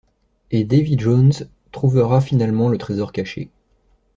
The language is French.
Et Davey Jones trouvera finalement le trésor caché.